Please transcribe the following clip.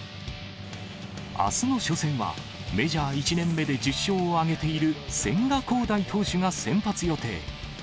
あすの初戦は、メジャー１年目で１０勝を挙げている千賀滉大投手が先発予定。